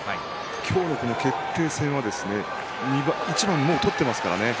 今日のこの決定戦は一番もう、取ってますからね。